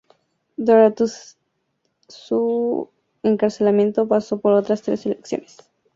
Durante su encarcelamiento, pasó por otras tres selecciones.